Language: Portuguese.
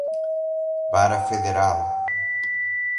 vara federal